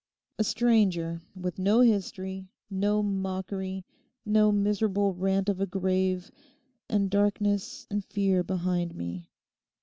—a stranger with no history, no mockery, no miserable rant of a grave and darkness and fear behind me.